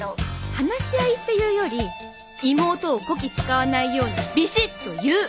話し合いっていうより妹をこき使わないようにビシッと言う！